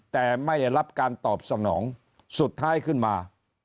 แต่ไม่ได้รับการตอบสนองสุดท้ายขึ้นมา